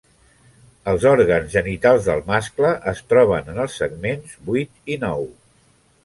Els òrgans genitals del mascle es troben en els segments vuit i nou.